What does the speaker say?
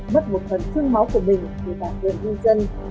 mất một phần thương máu của mình khi bản đường nhân dân